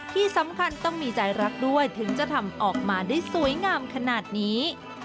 ที่สำคัญต้องมีใจรักด้วยถึงจะทำออกมาได้สวยงามขนาดนี้